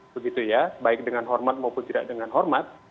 begitu ya baik dengan hormat maupun tidak dengan hormat